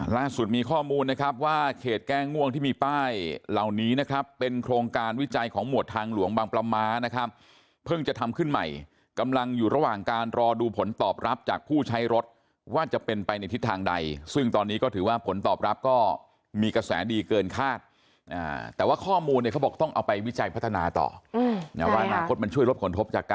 ล่าสุดมีข้อมูลนะครับว่าเขตแก้ง่วงที่มีป้ายเหล่านี้นะครับเป็นโครงการวิจัยของหวดทางหลวงบางปลาม้านะครับเพิ่งจะทำขึ้นใหม่กำลังอยู่ระหว่างการรอดูผลตอบรับจากผู้ใช้รถว่าจะเป็นไปในทิศทางใดซึ่งตอนนี้ก็ถือว่าผลตอบรับก็มีกระแสดีเกินคาดแต่ว่าข้อมูลเนี่ยเขาบอกต้องเอาไปวิจัยพัฒนาต่อว่าอนาคตมันช่วยลด